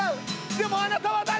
でもあなたは誰！？